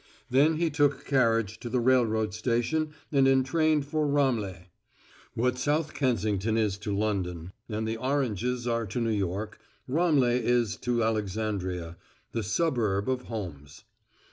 Then he took carriage to the railroad station and entrained for Ramleh. What South Kensington is to London and the Oranges are to New York, Ramleh is to Alexandria the suburb of homes.